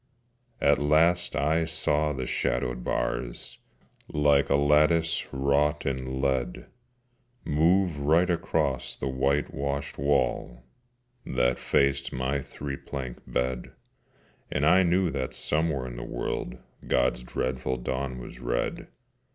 At last I saw the shadowed bars, Like a lattice wrought in lead, Move right across the whitewashed wall That faced my three plank bed, And I knew that somewhere in the world God's dreadful dawn was red.